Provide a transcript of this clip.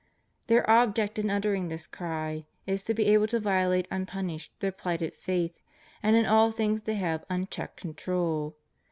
Their object in uttering this cry is to be able to violate unpunished their plighted faith, and in all things to have unchecked control.